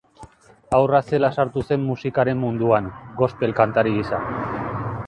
Haurra zela sartu zen musikaren munduan, gospel-kantari gisa.